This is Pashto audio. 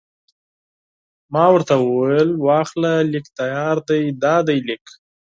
ما ورته وویل: واخله، لیک تیار دی، دا دی لیک.